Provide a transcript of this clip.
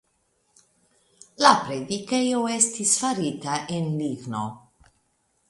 La predikejo estis farita en ligno.